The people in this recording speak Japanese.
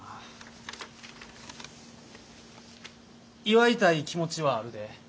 祝いたい気持ちはあるで。